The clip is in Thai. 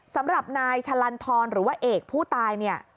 สำหรับนายชลันธรหรือว่าเอกผู้ตาย